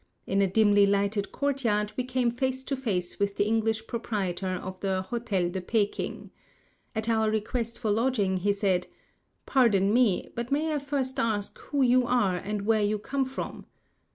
In a dimly lighted courtyard we came face to face with the English proprietor of the Hotel de Peking. At our request for lodging, he said, "Pardon me, but may I first ask who you are and where you come from?"